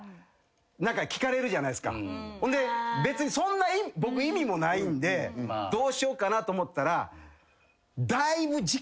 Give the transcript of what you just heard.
ほんで別にそんな僕意味もないんでどうしようかなと思ったらだいぶ。